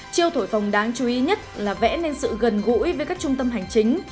chiều thổi phong đáng chú ý nhất là vẽ nên sự gần gũi với các trung tâm hành chính